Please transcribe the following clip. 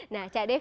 nah cak dave